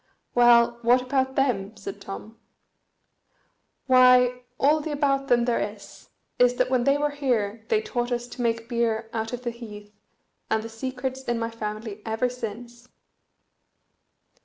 "Well, what about them?" said Tom. "Why, all the about them there is, is that when they were here they taught us to make beer out of the heath, and the secret's in my family ever since."